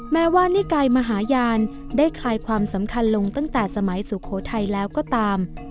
แม้ว่านิกายมหาญาณได้คลายความสำคัญลงตั้งแต่สมัยสุโขทัยแล้วก็ตาม